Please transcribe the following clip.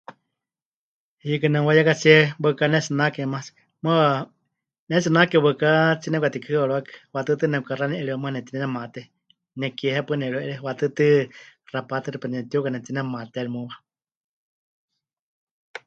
Hiikɨ nemɨwayekatsie waɨká pɨnetsinake maatsi, muuwa pɨnetsinake waɨká tsinemɨkatikɨhɨawarɨwakɨ, wa'atɨɨ́tɨ nepɨkaxani'eriwa muuwa nepɨtinematé, nekie hepaɨ nepɨreu'erie, waʼatɨɨ́tɨ xapatuxipa nepɨtiuka nepɨtinemaaté ri muuwa.